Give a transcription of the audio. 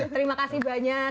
terima kasih banyak